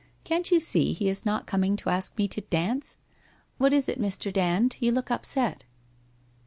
* Can't you see he is not coming to ask mc to dance ? What is it, Mr. Dand? You look upset?